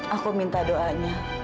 aku minta doanya